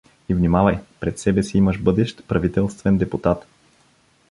И внимавай: пред себе си имаш бъдещ правителствен депутат!